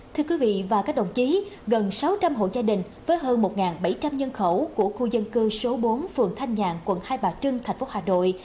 thưa quý vị và các đồng chí gần sáu trăm linh hộ gia đình với hơn một bảy trăm linh nhân khẩu của khu dân cư số bốn phường thanh nhạng quận hai bà trưng thạch phúc hà đội